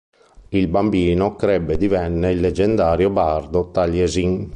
Il bambino crebbe e divenne il leggendario bardo Taliesin.